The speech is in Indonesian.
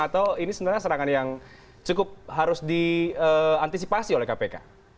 atau ini sebenarnya serangan yang udah diantisipasi kpk